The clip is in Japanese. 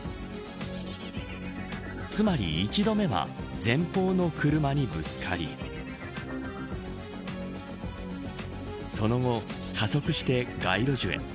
つまり１度目は前方の車にぶつかりその後、加速して街路樹へ。